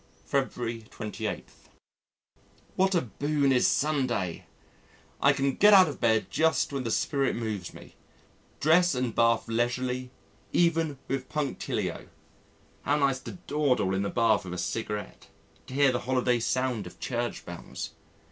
February 28. What a boon is Sunday! I can get out of bed just when the spirit moves me, dress and bath leisurely, even with punctilio. How nice to dawdle in the bath with a cigarette, to hear the holiday sound of Church bells!